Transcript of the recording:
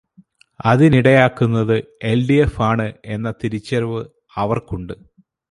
അതിനിടയാക്കുന്നത് എൽ.ഡി.എഫാണ് എന്ന തിരിച്ചറിവ് അവർക്കുണ്ട്.